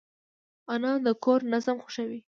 انا د کور نظم خوښوي